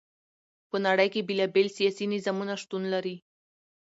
په نړی کی بیلا بیل سیاسی نظامونه شتون لری.